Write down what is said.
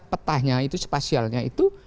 petanya itu spasialnya itu